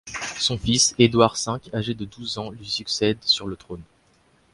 Son fils, Édouard V, âgé de douze ans, lui succède sur le trône.